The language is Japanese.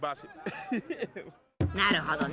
なるほどね。